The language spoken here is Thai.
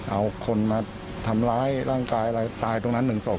เอาคนมาทำร้ายร่างกายอะไรตายตรงนั้นหนึ่งศพ